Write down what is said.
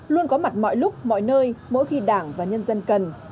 luôn có mặt mọi lúc mọi nơi mỗi khi đảng và nhân dân cần